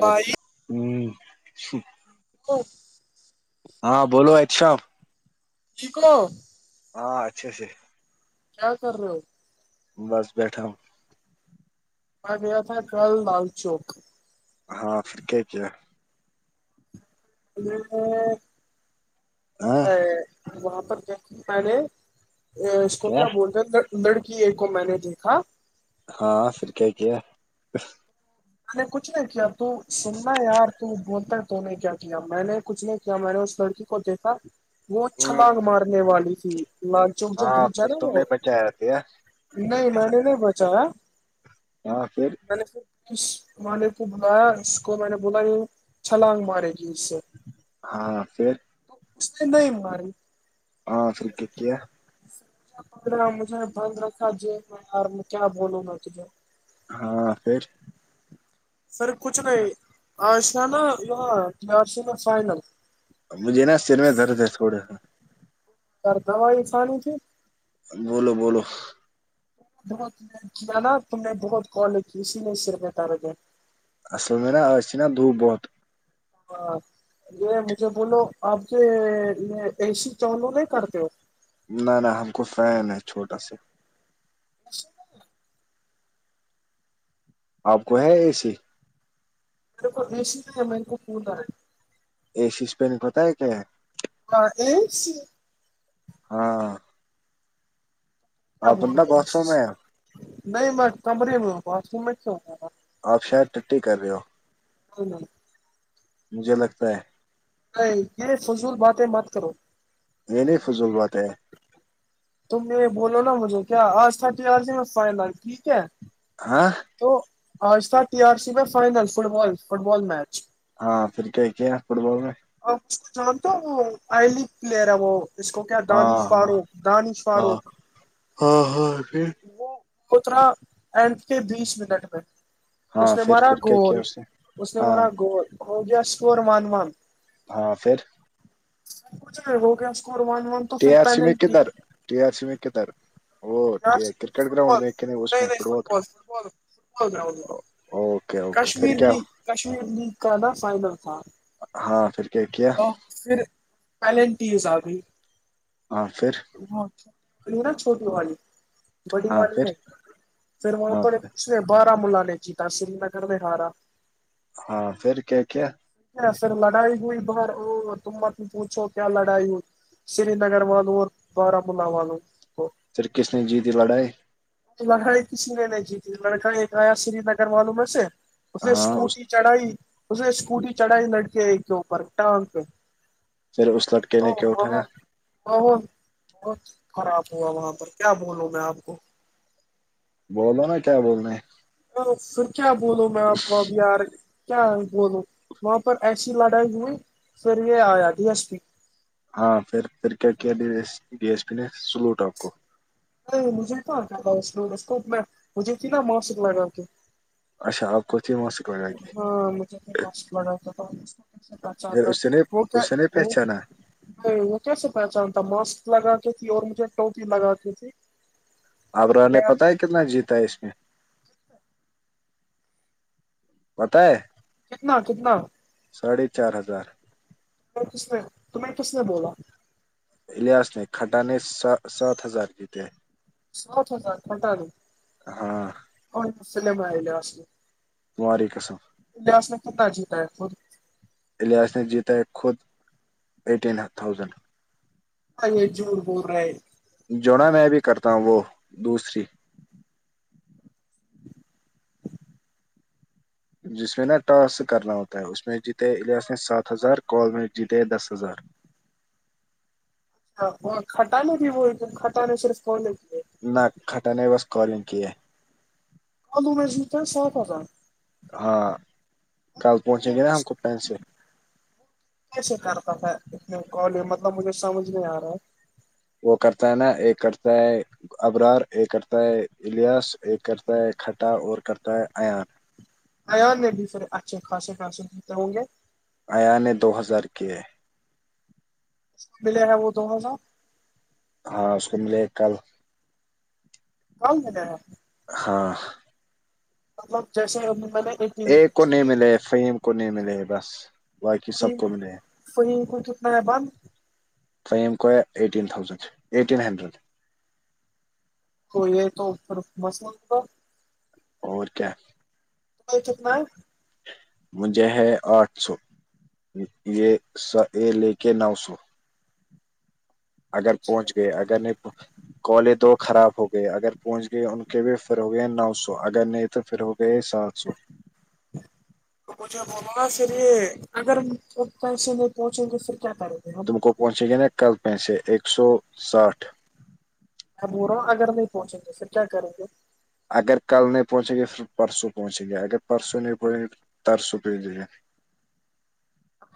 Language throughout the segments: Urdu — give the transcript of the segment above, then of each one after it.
بھائی ہوں او ہاں بولو ای شاپ جیکو ہاں اچھے سے کیا کر رہا ہو بس بیٹھا ہوں وہ گیا تھا کل لال چوک ہاں پھر کیا کیا میں ہاں وہاں پر گ میںے اس کو کیا بولتے ہیں لڑکی کو میں نے دیکھا ہاں سر کیا کیا ہے میں نے کچھ نہیں کیا تو سننا یار تو ب کر تو نے کیا کیا میں نے کچھ نہیں کیا میں نے اس لڑکی کو دیکھا وہ چھلاگ مارنے والی تھی لال چوک جو ہاں برج ہے پھر نا وہ [unintelligible] نہیں میں نے نہیں بوچا ہے ہاں پھر میں نے خ اس والے کو بلایا اس کو میں نے بولا یہ چھلانگ مارے گی اس سے ہاں پھر تو نہیں باری ہاں سر کی کیا ہے پندرہ مجھے بند رکھا جی ار میں کیا بولوں گا تجھے ہاں پھر سر کچھ نہیں آج نا نا یہاں پ آج سے نا فائنل مجھے نا سر میں درد ہے تھوڑا س دوائی کھانی تھی بولو بولو بہت کیا نا تم نے بہت کال کی اسی نے سر بتا ر گ اصل میں نا اسس چ ن دو بہت ہاں یہ مجھے بولو آپ کے ا سی چولو نہیں کرتے ہو نہ نہ ہم کو فین ہے چھوٹا سا [unintelligible] آپ کو ہے اے سی [unintelligible] ای سیس پین کت ہے کیا [unintelligible] ہاں آپ ب بندہ رہا باتھ روم میں نہیں میں کمرے میں ہوں باھ روم میں کیا ہوا آپ شاید ٹی کر رہے ہو [unintelligible] مجھے لگتا ہے یہ فضول بات ہے مت کرو یہ نہیں فضول بات ہے تم بولو نا مجھے کیا آج تھٹی میں فائنل ٹھیک ہے آاں تو آج تھا ٹی آر سی میں final football football match ہاں پھر کیا کیا ہیں فٹ بال میں اچھا توئی لگ پلیر اب اس کو کیا ہاں ہاں دانشاروق ہاں دانشاروق ہاں ہاں وہ کترا اینڈ کے بیس منٹ میں اس ہاں نے پھر مرا پھر کیا گول کیا اس نے اس نے ہاں مرا گول ہو گیا اسکور ون ون ہاں پھر سب کچھ وہ کیا اسکور ون ون تو ٹی پھر آر سی میں پینلٹی کدھر ٹی آر سی میں کدھر وہ کرکٹ فٹ گراؤڈ بال میں نہیں اس میں football ground football football ground میں اوکے اوکے پھر کشمیر کیا لیگ کشمیر لیگ کا نا فائنل تھا ہاں پھر کیا کیا تو پھر پلنٹیز آبھی ہاں پھر وہاں نا چھوٹی والی بڑی ہاں والی پھر میں پھر وہاں ہاں پر پھر اس نے بارامولہ نے سری نگر ہارا ہاں پھر کیا کیا پھر لڑائی ہوئی باہر ا تم مت پوچھو کیا لڑائی ہو سرینگر والوں اور بارامولہ والوں کو پھر کس نے جیتی لڑائی لڑائی کسی نے نہیں جیتی لڑکا ایک آیا سرینگر والوں میں سے اس نے ہاں اس اسکوٹی چڑھائی اس نے اسکوٹی چڑھائی لڑکے ایک کے اوپر ٹانگ پہ پھر اس لڑکے نے کیا اٹھایا [unintelligible] بہت خراب ہوا وہاں پر کیا بولوں میں آپ کو بولو نا کیا بولنا ھے پھر کیا بولوں میں آپ کو اب یار کیا بولو وہاں پر ایسی لڑائی ہوئی پھر یہ آیا ڈھی ایس پی ہاں پھر پھر کیا کیا ڈی ایس پی نے سلوٹ آپ کو مجھے کیا کیا تھا اس اسکوپ میں مجھے تھی نا ماسک لگا کے اچھا اپ کچھ مسی کو کی ہاں مجھےاش بتا تھا پہچا پھر اس نے وہ کیا اس نے وہ پہچانا بھائی وہ کیسے پہچان تھا ماسک لگاتی تھی اور مجھے ٹوپی لگاتی تھی ابرار نے کیا پتا ہے کتنا جیتا ہے اس میں پتہ ہے کتنا کتنا ساڑھے چار ہزار تمہیں کس نے بولا الیاس نے کھٹا نے سات ہزار جیتے سو تھتا کٹا ن ہاں کوصل میں آئی لے آس تمہاری قسم الیاس نے کتنا جیتا ہے خود الیاس نے جیتا ہے خود ایٹین تھاؤزینڈ بھائ یہ جھوٹ بول رہے ہیں جونا میں بھی کرتا ہوں وہ دوسری جس میں نا ٹاسک کرنا ہوتا ہے اس میں جیتے ایاس نے سات ہزار کال میں جیتے دس ہزار ہاں وہ کٹانا بھی وہ کٹان صرف ف ل نہ کھٹان نائی بس قالونگ کی آلو میں صاف آ تھا ہاں کل پہنچیں وہ گے نا کس ہم کو پینسل کیسے کرتا تھا اتنے کال مطلب مجھے سمجھ نہیں آ رہا وہ کرتا ہے نا یہ کرتا ہے [unintelligible] ابرار ایک کرتا ہے الیاس ایک کرتا ہے کھٹا اور کرتا ہے ایان ا میں بھی پھر اچھے خاصے خاصےتے ہوں گے اییاان دو ہزار کے [unintelligible] ملے ہیں وہ تو ہے نا ہاں اس کو ملے کل کو گدرا ہاں مطلب جس مل ا کو نہیں ملے فیم کو نہیں ملے بس باقی سب کو ملے کو کو توکنا بم تو ہم کوا ایٹین تھاؤزنڈ ایٹین ہنڈریڈ کوئی یہ توھر مس تو اور کیا اچتم [unintelligible] مجھے ہے آٹھ سو یہ س یہ لے کے نو سو اگر پہنچ گئے اگر نہیں کالے دو خراب ہو گئے اگر پہنچ گئے ان کے بھی فھر ہو گئے نو سو اگر نہیں تو پھر ہو ت سات سو [unintelligible] توجھ بولا پھر اگر پسے نہیں پہنچیں گے پھر کیا کریں گ تم کو کوہنچے گئے نا کل پیسے ایک سو ساٹھ ابورا اگر نہیں پہنچیں گے پھر کیا کریں گے اگر کل نہیں پہنچیں گے پھر پرسوں پہنچیں گے اگر پرسوں نہیں پہنچیں گے پرسوں پہنچ جیں گے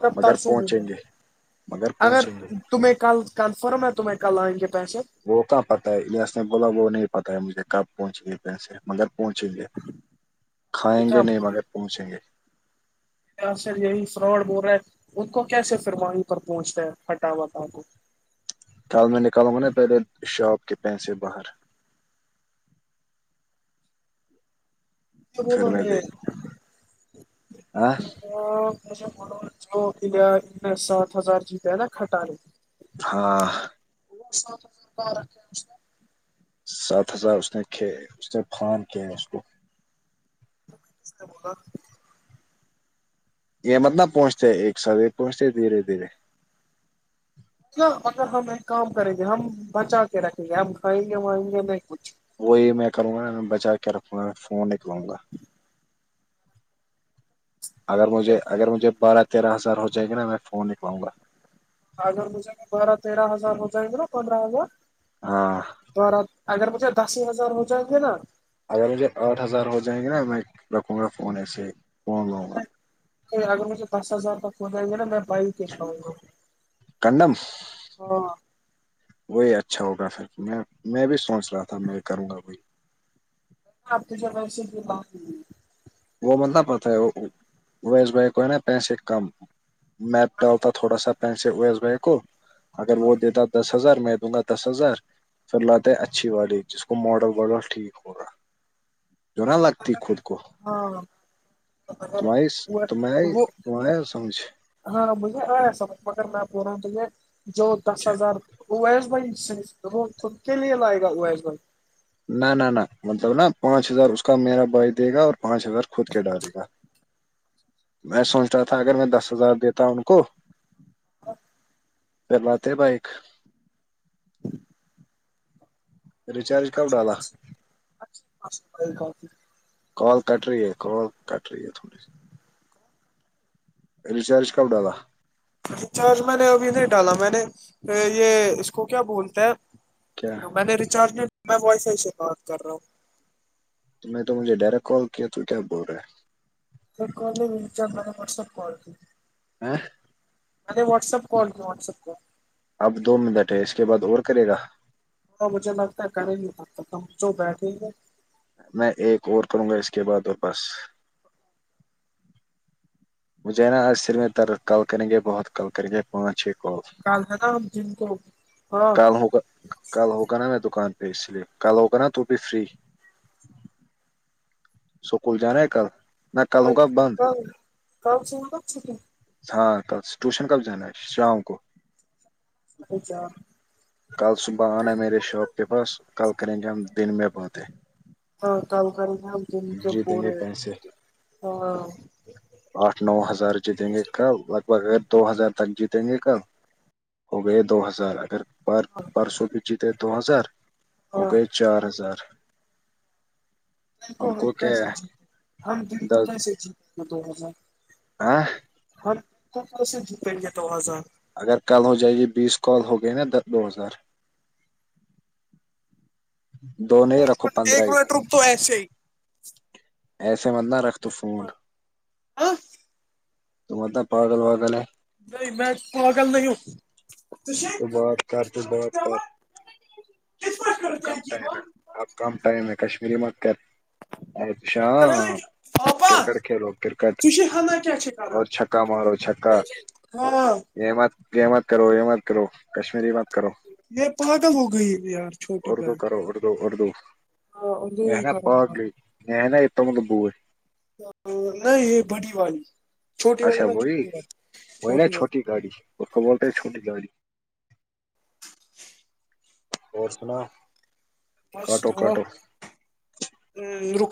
اب مگر ترسوں بھی پہنچیں نہیں گے مگر اگر پہنچیں گے تمہیں کل کنفرم ہے تمہیں کلئیں گے پیسے وہ کہ پتہ ہے ایاس نے بولا وہ نہیں پتا ہے مجھے کب پہنچ گئی پ سے مگر پہنچیں گے تو کھائیں گے کیا نہیں مگر پہنچیں گے ر یہی فراڈ بول رہا ہے ان کو کیسے فرمانی پر پہنچتا ہے ہٹاوٹ آ کو کال میں نکالوں گا نا پہلے شاپ کے پیسے باہر یہ پھر بت میں بیا دیکھوں ہاں [unintelligible] تو مے ب جو سات ہزار جی پ ہے نا کھٹال ہاں ب صاف س رکھے [unintelligible] سات ہزار اس نے ک اس نے فان ک ہیں اس کو بگا [unintelligible] یہ متلب پہنچتے ہے ایک سو پہنچتے دھیرے دھیرے کیا اگر ہم ایک کام کریں گے ہم بچا کے رکھیں گے ہم کھائیں گے وائیں گے نہیں کچھ وہی میں کروں گا بچا کے رکھوں گا فون نکلؤوں گا اگر مجھے اگر مجھے بارہ تیرہ ہزار ہو جائے گے نا میں فون نکلاؤں گا آگر ہو جائے گا بارہ تیرہ ہزار ہو جائے گا پندرہ ہزار ہاں [inaudible] دارا اگر مجھے دس ہی ہزار ہو جائیں گے نا اگر مجھے آٹھ ہزار ہو جائیں گے نا میں رکھوں گا فون ایسے ہی فون لوں گا آگے مے پچ سز پن جائے گا ن بائیک [unintelligible] کڈم [unintelligible] ہاں وہی اچھا ہوگا پھر میں میں بھی سوچ رہا تھا میں کروں گا کوئی [unintelligible] وہ مت نا پتا ہے اویس بھائی کو ہے نا پیسے کم میں ڈالتا تھوڑا سا پینسے اویس بھائی کو اگر وہ دیتا دس ہزار میں دوں گا دس ہزار فھر لاتے ہے اچھی والی جس کو ماڈر واڈل ٹھیک ہوگا جو نہ لگتی خود کو ہاں اگر تم آیی تمہ آیی وہ تم آیا سمجھ [unintelligible] ہاں مجھے آیا سمجھ مگر میں بول رہا ہوں تجھے جو دس کیا ہزار اویس بھایی سے‌ وہ خود کے لیے لائے گا اویس بھایی نہ نہ نہ مطلب نا پانچ ہزار اس کا میرا بھائی دے گا اور پانچ ہزار خود کے ڈالے گا میں سوچ رہا تھا اگر میں دس ہزار دیتا ان کو [inaudible] پھر لاتے بایک ریچارج [unintelligible] [inaudible] کال کٹ رہی ہے کال کٹ رہی ہے تھوڑیی ریچارج کب‌ ڈالا ریچارج میں نے ابھی نہیں ڈالا میں نے یہ اس کو کیا بولتے ہیں کیا میں نے ریچارج نہیں میں وائی فائی سے بات کر رہا ہوں تو نے تو مجھے ڈائریکٹ کال کیا تو کیا بول رہے ہے ڈایریکٹ کال نہیں میری جان میں نے وٹسپ کال کی [unintelligible] میں نے واٹسپ کول کی واٹسپ کول اب دو منٹ ہے اس کے بعد اور کرے گا وہ مجھے لگتا ہے کریں گے تب تک ہم جو بیٹھیں ہی ہے میں ایک اور کروں گا اس کے بعد واپس مجھے ہے نا آج سر میں درد کل کریں گے بہت کل کریں گے پانچ چھہ اور کل ہے نا ہم جن کو ہاں کل ہوگا کل ہوگا نا میں دکان پہ اس لیے کل ہوگا نا تو بھی فری سکول جارہا ہے کل [unintelligible] کل ہوگا بند [unintelligible] ہاں کل سے ٹیوشن کب جانا ہے شام کو [unintelligible] کل صبح آنا ہے میرے شاپ کے پاس کل کریں گے ہم دن میں باتے ہاں کل کرینگے ہم دن کو جیتیں گے پورے پیسے دن ہاں آٹھ نو ہزار جیتیں کل لگ بھگ اگر دو ہزار تک جیتیں گے کل ہو گئے دو ہزار اگر پر پرسوں بھی جیتے دو ہزار ہو گیے ہاں چار ہزار ہم کو کیا کیسے ہے جیتے ہم دن کو دس کیسے جیتے گے دو ہزار [unintelligible] ہم دن کو کیسے جیتیں گے دو ہزار اگر کل ہو جائے گی بیس کال ہو گئی نا دو ہزار دو نہیں رکھو پندرہ ایک ہی منٹ رک تو ایسے ہی ایسے مت نہ رکھ تو فون ہاں تو مت نا‌ پاگل‌ واگل ہے نہیں میں پاگل نہیں ہوں تو بات کر تو بات کر اب کم ٹائم ہے اب کم ٹائم ہے کشمیری مت کر ا تو شاں ککٹ کھیلو ککٹ [unintelligible] ش حلہ کیا چ کر چھکا ہاں [unintelligible] یہ مت یہ مت کرو یہ مت کرو کشمیری مت کرو یہ پاگل ہو گئی ہے یار چھوٹی اردو بہن کرو اردو اردو ہاں دو ہی نا کروں گا پاگلی نا ات مند بوئے [unintelligible] نہیں یہ بڑی والی چھوٹی والی اچھا نہ وہی چھوٹی والی وہی نا چھوٹی والی گاڑی کو بولتے چھٹی گاڑی اور سنا کاٹو کاٹو پر رک